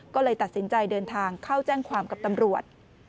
ก็เลยตัดสินใจเดินทางเข้าแจ้งความกับตำรวจ